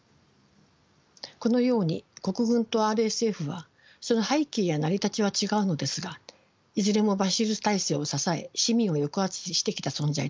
このように国軍とＲＳＦはその背景や成り立ちは違うのですがいずれもバシール体制を支え市民を抑圧してきた存在と言えます。